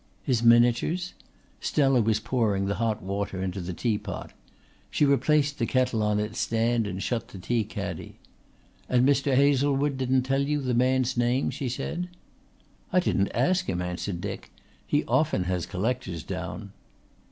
"His miniatures?" Stella was pouring the hot water into the tea pot. She replaced the kettle on its stand and shut the tea caddy. "And Mr. Hazlewood didn't tell you the man's name," she said. "I didn't ask him," answered Dick. "He often has collectors down."